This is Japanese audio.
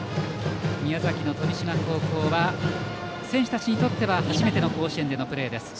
宮崎の富島高校は選手たちにとっては初めての甲子園でのプレーです。